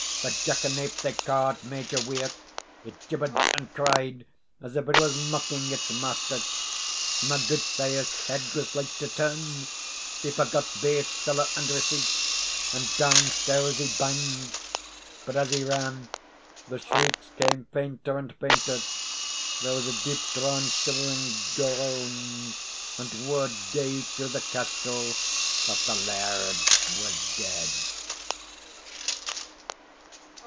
The jackanape they caa'd Major Weir, it jibbered and cried as if it was mocking its master. My gudesire's head was like to turn; he forgot baith siller and receipt, and downstairs he banged; but, as he ran, the shrieks came fainter and fainter; there was a deep drawn shivering groan, and word gaed through the castle that the laird was dead.